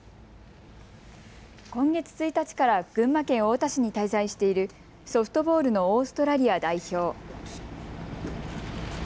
今月１日から群馬県太田市に滞在しているソフトボールのオーストラリア代表。